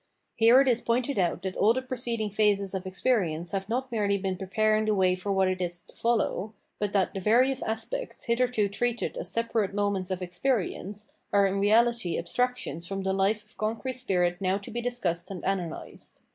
Here it is pointed out that all the preceding phases of experience have not merely been preparing the way for what is to follow, but that the various aspects, hitherto treated as separate moments of experience, are in reality abstrac tions from the life of concrete spirit now to be discussed and analysed.